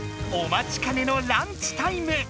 おまちかねのランチタイム！